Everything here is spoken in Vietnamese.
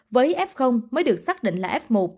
với f mới được xác định là f một